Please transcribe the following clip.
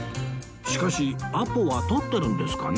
しかしアポは取ってるんですかね？